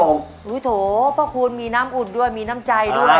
โอ้โหโถพระคุณมีน้ำอุ่นด้วยมีน้ำใจด้วย